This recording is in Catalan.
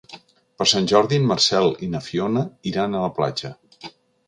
Per Sant Jordi en Marcel i na Fiona iran a la platja.